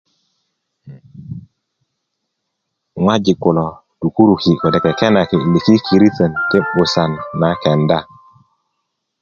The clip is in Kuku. ŋojik kulo tukuruki kode kekenaki lukikirlön ti 'busan na kenda